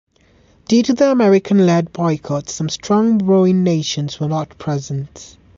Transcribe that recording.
Due to the American-led boycott some strong rowing nations were not present.